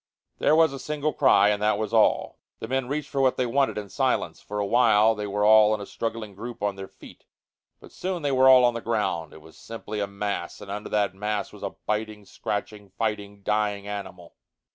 There was a single cry, and that was all. The men reached for what they wanted in silence. For a while they were all in a struggling group on their feet, but soon they were all on the ground. It was simply a mass, and under that mass was a biting, scratching, fighting, dying animal.